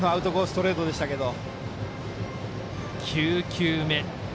ストレートでしたけど。